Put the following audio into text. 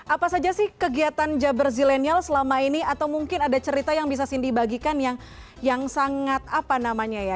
apa saja sih kegiatan jabar zilenial selama ini atau mungkin ada cerita yang bisa cindy bagikan yang sangat apa namanya ya